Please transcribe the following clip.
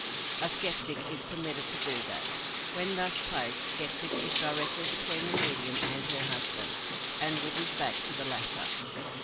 A skeptic is permitted to do that. When thus placed, skeptic is directly between the medium and her husband, and with his back to the latter.